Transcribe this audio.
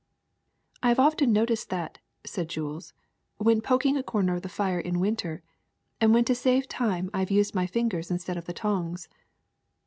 ^'I have often noticed that,'^ said Jules, 'Svlien poking a comer of the fire in winter, and when to save time I have used my fingers instead of the tongs.